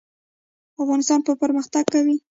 افغانستان به پرمختګ کوي